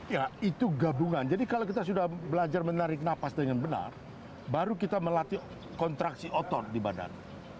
ya itu gabungan jadi kalau kita sudah belajar menarik nafas dengan benar baru kita melatih kontraksi otot di badan